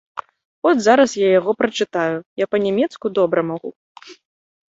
От зараз я яго прачытаю, я па-нямецку добра магу.